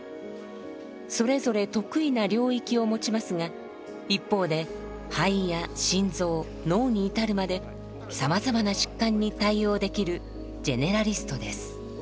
それぞれ得意な領域を持ちますが一方で肺や心臓脳に至るまでさまざまな疾患に対応できるジェネラリストです。